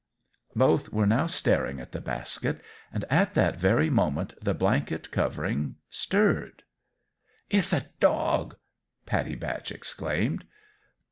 Both were now staring at the basket; and at that very moment the blanket covering stirred! "Ith a dog!" Pattie Batch exclaimed.